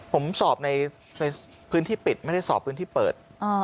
ผมสอบในพื้นที่ปิดไม่ได้สอบพื้นที่เปิด